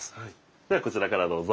じゃあこちらからどうぞ。